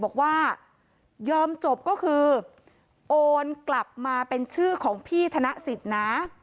บอกว่ายอมจบก็คือโอนกลับมาเป็นชื่อของพี่ธนสิทธิ์นะ